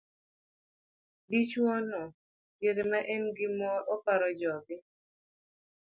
Dichwo no diere ma en gi mor, oparo joge